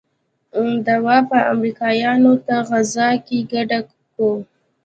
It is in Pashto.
دوا به امريکايانو ته غذا کې ګډه کو.